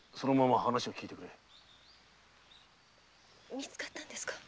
見つかったんですか？